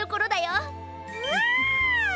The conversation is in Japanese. わあ。